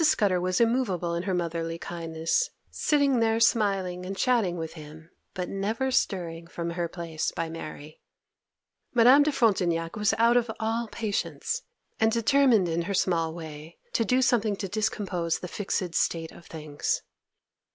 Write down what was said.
Scudder was immovable in her motherly kindness, sitting there smiling and chatting with him, but never stirring from her place by Mary. Madame de Frontignac was out of all patience, and determined in her small way to do something to discompose the fixed state of things.